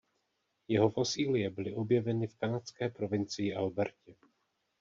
Jeho fosílie byly objeveny v kanadské provincii Albertě.